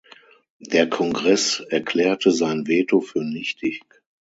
Der Kongress erklärte sein Veto für nichtig.